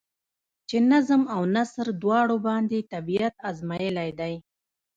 چې نظم او نثر دواړو باندې طبېعت ازمائېلے دے ۔